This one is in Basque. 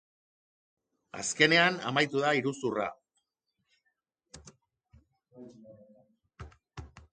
Azkenean, amaitu da iruzurra.